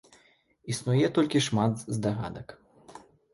Існуе толькі шмат здагадак.